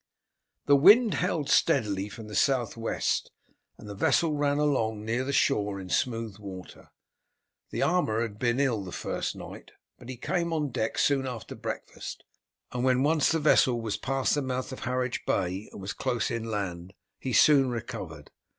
The wind held steadily from the south west, and the vessel ran along near the shore in smooth water. The armourer had been ill the first night, but he came on deck soon after breakfast, and when once the vessel was past the mouth of Harwich Bay and was close inland, he soon recovered.